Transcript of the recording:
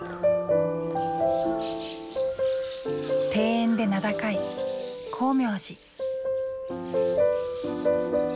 庭園で名高い光明寺。